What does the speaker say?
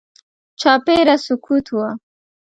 چاپېره سکوت و.